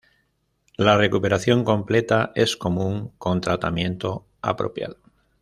La recuperación completa es común con tratamiento apropiado.